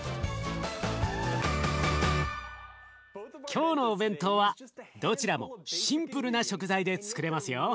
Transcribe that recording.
今日のお弁当はどちらもシンプルな食材でつくれますよ。